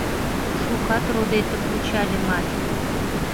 Шукат родетым кучальымат